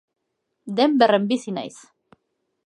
Denberren bizi naiz